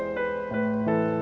gak ada apa apa